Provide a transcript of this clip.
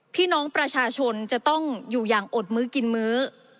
พี่น้องประชาชนจะต้องอยู่อย่างอดมื้อกินมื้อ